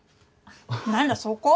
何だそこ？